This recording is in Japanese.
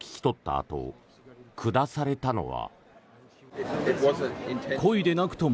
あと下されたのは。